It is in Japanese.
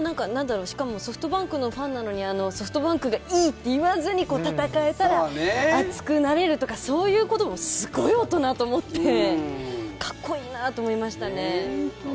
ソフトバンクのファンなのにソフトバンクがいいって言わずに戦えたら熱くなれるって言うのもそういうこともすごい大人！と思って、かっこいなと思いましたね。